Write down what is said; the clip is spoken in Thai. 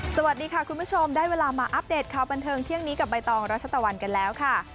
สวัสดีค่ะคุณผู้ชมได้เวลามาอัปเดตข่าวบันเทิงเที่ยงนี้กับใบตองรัชตะวันกันแล้วค่ะ